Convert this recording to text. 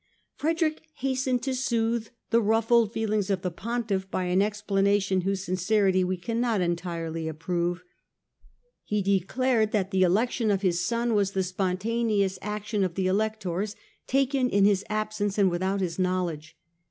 Frederick hastened to soothe the ruffled feel ings of the Pontiff by an explanation whose sincerity we cannot entirely approve. He declared that the election of his son was the spontaneous action of the Electors, taken in his absence and without his knowledge.